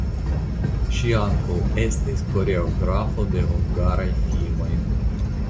Ŝi ankaŭ estis koreografo de hungaraj filmoj.